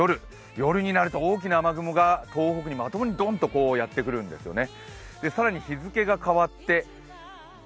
夜になると大きな雨雲が東北に、まとまってドンとやってくるんですよね。